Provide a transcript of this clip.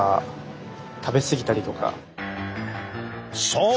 そう！